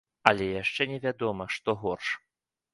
Але яшчэ невядома, што горш.